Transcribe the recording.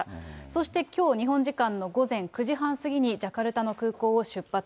そしてきょう、日本時間の午前９時半過ぎにジャカルタの空港を出発。